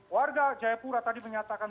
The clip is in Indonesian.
warga jayapura tadi menyatakan